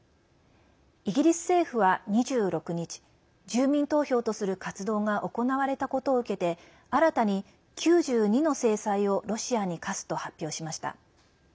イギリス政府は、２６日住民投票とする活動が行われたことを受けて新たに９２の制裁をロシアに科すと発表しました。